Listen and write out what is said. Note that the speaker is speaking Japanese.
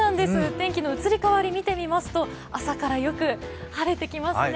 天気の移り変わりを見てみますと、朝からよく晴れてきますね。